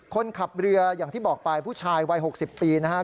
คนขับเรืออย่างที่บอกไปผู้ชายวัย๖๐ปีนะครับ